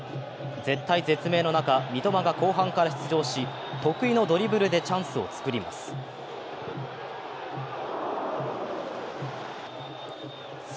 絶体絶命の中、三笘が後半から出場し、得意のドリブルでチャンスを作ります。